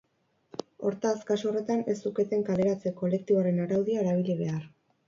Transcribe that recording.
Hortaz, kasu horretan ez zuketen kaleratze kolektiboen araudia erabili behar.